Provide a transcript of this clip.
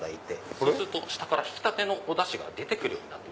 そうすると下からひきたてのおダシが出て来ます。